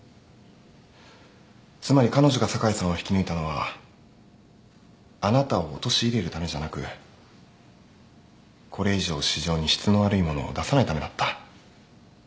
つまり彼女が酒井さんを引き抜いたのはあなたを陥れるためじゃなくこれ以上市場に質の悪いものを出さないためだった。